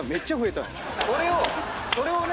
それをそれをね